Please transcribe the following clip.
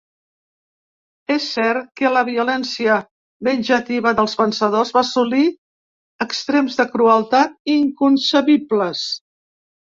És cert que la violència venjativa dels vencedors va assolir extrems de crueltat inconcebibles.